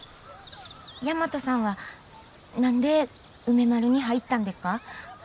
大和さんは何で梅丸に入ったんでっか？